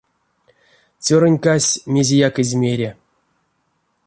Цёрынькась мезеяк эзь мере.